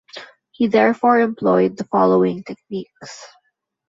He therefore employed the following techniques.